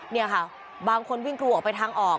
นี่ค่ะบางคนวิ่งกรูออกไปทางออก